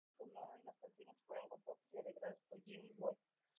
La banda sonora y las canciones fueron compuestas y arregladas por Jimmy Webb.